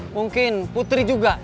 mungkin putri juga